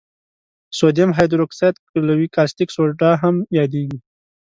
سودیم هایدروکساید قلوي کاستیک سوډا هم یادیږي.